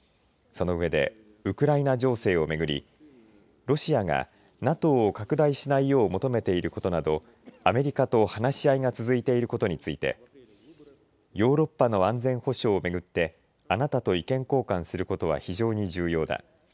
その上でウクライナ情勢をめぐりロシアがＮＡＴＯを拡大しないよう求めていることなどアメリカと話し合いが続いていることについてヨーロッパの安全保障をめぐってあなたと意見交換することは非常に重要だ。